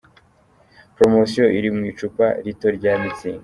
Promotion iri mu icupa rito rya mutzig.